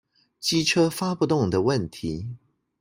機車發不動的問題